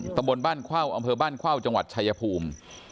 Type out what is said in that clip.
ตำบลบ้านเข้าอำเภอบ้านเข้าจังหวัดชายภูมิ